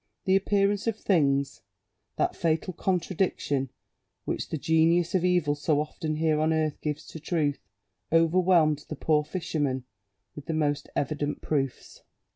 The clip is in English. The appearance of things, that fatal contradiction which the genius of evil so often here on earth gives to truth, overwhelmed the poor fisherman with the most evident proofs.